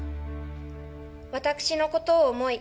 私のことを思い